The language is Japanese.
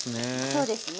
そうですね。